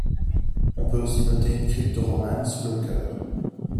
On peut aussi noter une crypte romane sous le chœur.